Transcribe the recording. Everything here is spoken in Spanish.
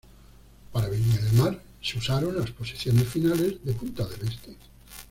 Para Viña del Mar, se usaron las posiciones finales de Punta del Este.